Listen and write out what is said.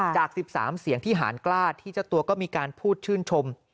จาก๑๓เสียงที่หารกล้าที่เจ้าตัวก็มีการพูดชื่นชม